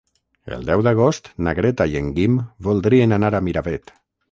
El deu d'agost na Greta i en Guim voldrien anar a Miravet.